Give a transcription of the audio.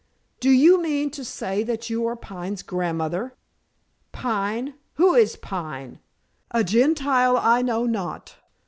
"Do you mean to say that you are Pine's grandmother?" "Pine? Who is Pine? A Gentile I know not.